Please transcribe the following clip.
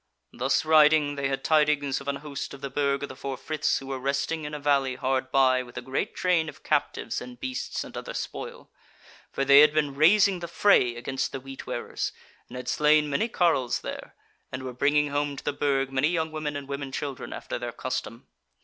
Thus riding they had tidings of an host of the Burg of the Four Friths who were resting in a valley hard by with a great train of captives and beasts and other spoil: for they had been raising the fray against the Wheat wearers, and had slain many carles there, and were bringing home to the Burg many young women and women children, after their custom.